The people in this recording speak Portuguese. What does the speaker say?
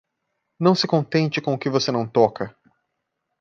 Não se contente com o que você não toca.